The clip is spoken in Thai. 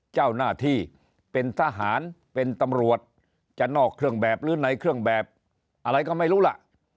เจ้าหน้าที่เป็นทหารเป็นตำรวจจะนอกเครื่องแบบหรือในเครื่องแบบอะไรก็ไม่รู้ล่ะ